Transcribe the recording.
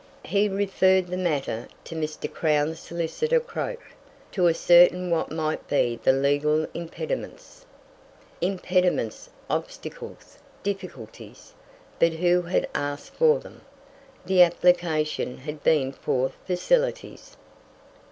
He referred the matter to Mr. Crown Solicitor Croke, to ascertain what might be the legal impediments. Impediments, obstacles, difficulties! But who had asked for them? The application had been for facilities.